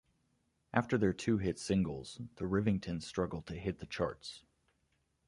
After their two hit singles, the Rivingtons struggled to hit the charts.